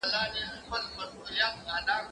زه پرون کتابتون ته کتاب وړم وم